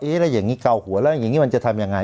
แล้วอย่างนี้เกาหัวแล้วอย่างนี้มันจะทำยังไง